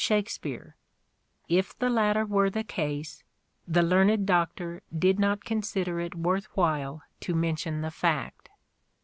If 32 " SHAKESPEARE " IDENTIFIED the latter were the case, the learned doctor did not consider it worth while to mention the fact."